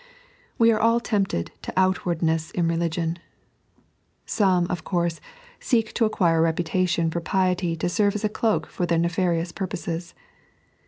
We are all tempted to Outwabdkess in Beuoion. Some, of course, seek to acquire a reputation for piety to serve as a cloak for their nefarious purposes.